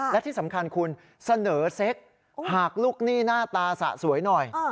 และที่สำคัญคุณเสนอเซ็กหากลูกหนี้หน้าตาสะสวยหน่อย